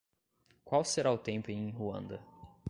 Qual será o tempo em Ruanda?